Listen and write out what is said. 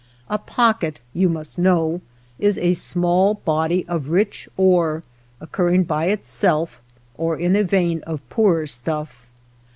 A pocket, you must know, is a small body of rich ore oc curring by itself, or in a vein of poorer stuff.